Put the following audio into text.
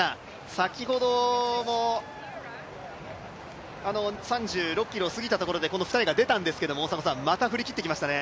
先ほども３６ｋｍを過ぎたところでこの２人が出たんですけどまた振り切ってきましたね。